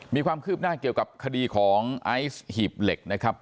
มีความคืบหน้าเกี่ยวกับคดีของไอซ์หีบเหล็กนะครับ